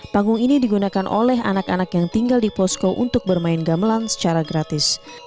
panggung ini digunakan oleh anak anak yang tinggal di posko untuk bermain gamelan secara gratis